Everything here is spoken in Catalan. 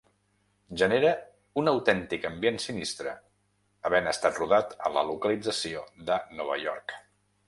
Genera un autèntic ambient sinistre, havent estat rodat a la localització de Nova York.